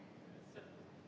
puskesmas sebagai gaya